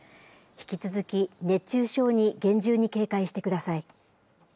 引き続き、熱中症に厳重に警戒してください。